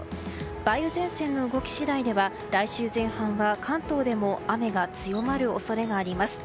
梅雨前線の動き次第では来週前半は関東でも雨が強まる恐れがあります。